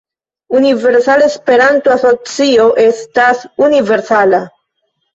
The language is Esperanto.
Universala Esperanto-Asocio estas universala.